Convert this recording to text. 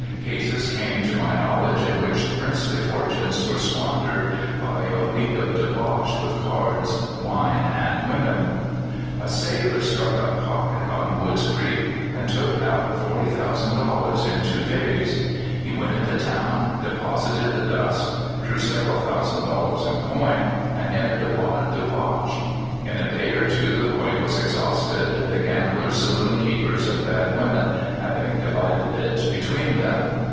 Cases came to my knowledge in which princely fortunes were squandered by a week of debauch with cards, wine, and women. California Trails. 170 A sailor struck a " pocket " on Wood's Creek, and took out forty thousand dollars in two days. He went into town, deposited the dust, drew sev eral thousand dollars in coin, and entered upon a debauch. In a day or two the coin was exhausted, the gamblers, saloon keepers, and bad women hav ing divided it between them.